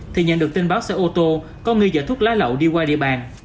thì nhận được tin báo xe ô tô có nghi dở thuốc lá lậu đi qua địa bàn